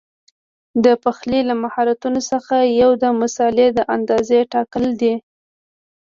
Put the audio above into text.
د پخلي له مهارتونو څخه یو د مسالې د اندازې ټاکل دي.